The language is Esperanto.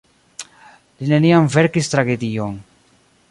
Li neniam verkis tragedion.